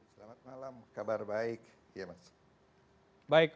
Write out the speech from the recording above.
selamat malam kabar baik